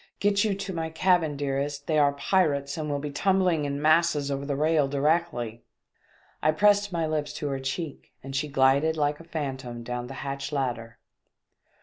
"Get you to my cabin, dearest, they are pirates and will be tumbling in masses over the rail directly." I pressed my lips to her cheek and she glided like a phantom down the hatch ladder.